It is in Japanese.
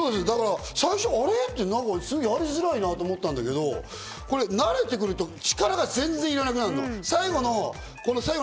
最初、やりづらいなと思ったんだけど、慣れてくると力が全然いらなくなるの。